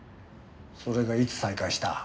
それがいつ再会した？